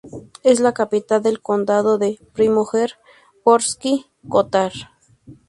Es la capital del condado de Primorje-Gorski Kotar.